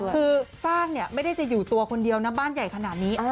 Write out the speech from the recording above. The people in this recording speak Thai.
คือทราบไม่ได้อยู่ตัวคนเดียวในบ้านใหญ่ขนาดนี้